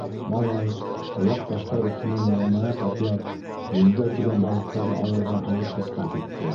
Малай, ваҡ таштар өҫтөнән яланаяҡ атлап, емгә тигән балыҡтарын алырға һыуытҡысҡа китте.